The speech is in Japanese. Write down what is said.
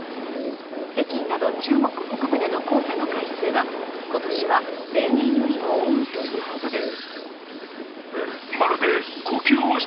北京など中国北部での黄砂の回数は今年は例年よりも多いということです。